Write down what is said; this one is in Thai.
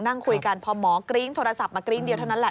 นั่งคุยกันพอหมอกริ้งโทรศัพท์มากริ้นเดียวเท่านั้นแหละ